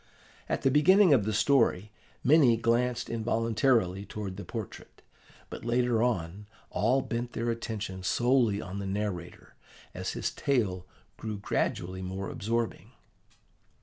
At the beginning of the story, many glanced involuntarily towards the portrait; but later on, all bent their attention solely on the narrator, as his tale grew gradually more absorbing.